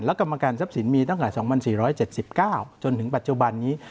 กรรมการทรัพย์สินมีตั้งแต่๒๔๗๙จนถึงปัจจุบันนี้